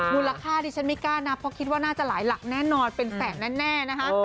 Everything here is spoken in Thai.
มูลค่าดิฉันไม่กล้านับเพราะคิดว่าน่าจะหลายหลักแน่นอนเป็นแสนแน่นะคะ